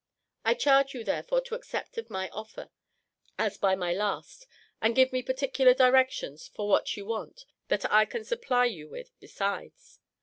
I charge you therefore to accept of my offer, as by my last: and give me particular directions for what you want, that I can supply you with besides.